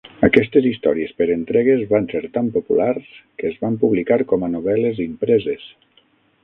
Aquestes històries per entregues van ser tan populars que es van publicar com a novel·les impreses.